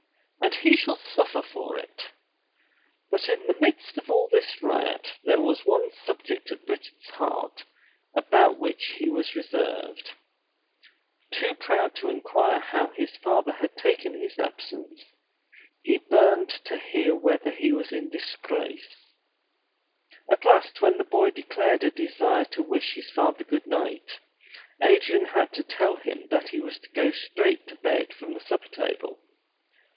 And he shall suffer for it !" But in the midst of all this riot there was one subject at Richard's heart about which he was reserved. Too proud to 235 MY BOOK HOUSE inquire how his father had taken his absence, he burned to hear whether he was in disgrace. At last when the boy declared a desire to wish his father good night, Adrian had to tell him that he was to go straight to bed from the supper table.